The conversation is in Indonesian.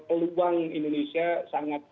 peluang indonesia sangat